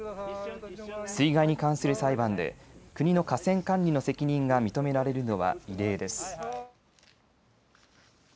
水害に関する裁判で国の河川管理の責任が認められるのは異例です。